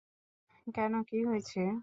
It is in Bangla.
কেন, কী হয়েছে?